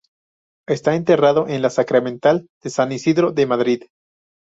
Está enterrado en la Sacramental de San Isidro de Madrid.